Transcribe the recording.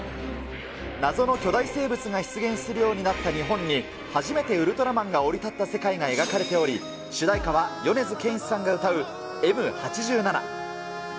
謎の巨大生物が出現するようになった日本に、初めてウルトラマンが降り立った世界が描かれており、主題歌は、米津玄師さんが歌うＭ八七。